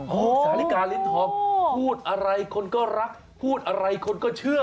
สาลิกาลิ้นทองพูดอะไรคนก็รักพูดอะไรคนก็เชื่อ